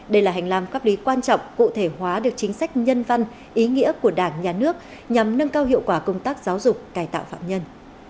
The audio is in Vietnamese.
đây là hành lang pháp lý quan trọng cụ thể hóa được chính sách nhân văn ý nghĩa của đảng nhà nước nhằm nâng cao hiệu quả công tác giáo dục cài tạo phạm nhân